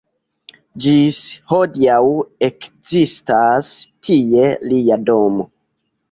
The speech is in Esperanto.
Ĝis hodiaŭ ekzistas tie lia domo.